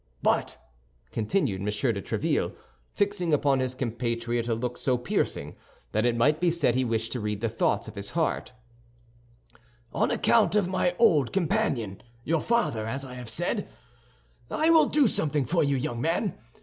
"But," continued M. de Tréville, fixing upon his compatriot a look so piercing that it might be said he wished to read the thoughts of his heart, "on account of my old companion, your father, as I have said, I will do something for you, young man.